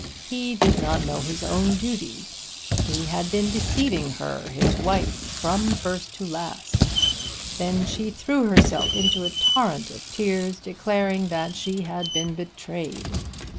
He did not know his own duty. He had been deceiving her, his wife, from first to last. Then she threw herself into a torrent of tears declaring that she had been betrayed.